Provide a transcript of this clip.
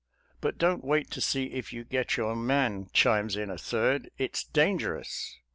" But don't wait to see if you get your man," chimes in a third ;" it's dangerous."